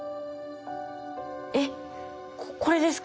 えっこれですか？